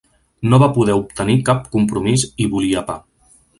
No va poder obtenir cap compromís i volia pa.